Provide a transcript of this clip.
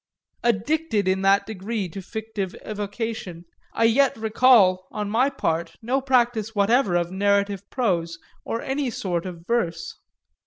Addicted in that degree to fictive evocation, I yet recall, on my part, no practice whatever of narrative prose or any sort of verse.